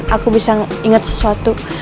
mungkin aku bisa inget sesuatu